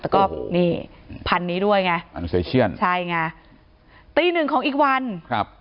แต่ก็นี่พันนี้ด้วยไงพันเซเชียนใช่ไงตีหนึ่งของอีกวันครับ